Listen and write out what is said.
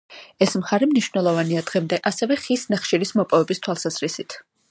ეს მხარე მნიშვნელოვანია დღემდე ასევე ხის ნახშირის მოპოვების თვალსაზრისით.